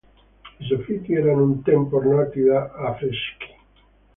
I soffitti erano un tempo ornati da affreschi.